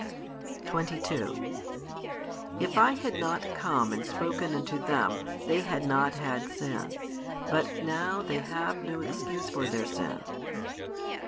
22 If I had not come and spoken unto them, they had not had sin: but now they have no excuse for their sin.